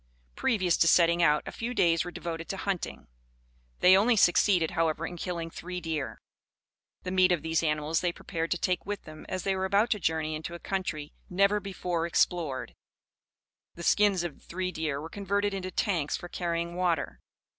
Previous to setting out, a few days were devoted to hunting. They only succeeded, however, in killing three deer. The meat of these animals they prepared to take with them, as they were about to journey into a country never before explored. The skins of the three deer were converted into tanks for carrying water.